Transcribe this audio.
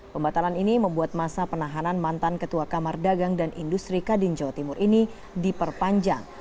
pembatalan ini membuat masa penahanan mantan ketua kamar dagang dan industri kadin jawa timur ini diperpanjang